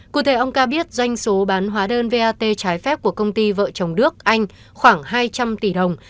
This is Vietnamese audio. cụ thể ông ca biết doanh số bán hóa đơn vat trái phép của công ty vợ chồng đức anh khoảng hai trăm linh tỷ đồng